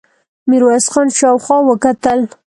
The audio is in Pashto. ميرويس خان شاوخوا وکتل.